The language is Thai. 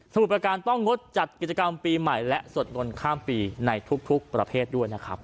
มุดประการต้องงดจัดกิจกรรมปีใหม่และสวดมนต์ข้ามปีในทุกประเภทด้วยนะครับ